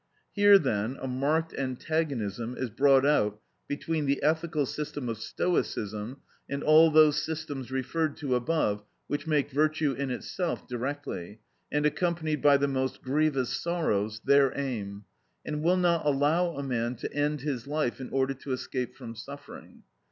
Here then a marked antagonism is brought out between the ethical system of Stoicism and all those systems referred to above which make virtue in itself directly, and accompanied by the most grievous sorrows, their aim, and will not allow a man to end his life in order to escape from suffering.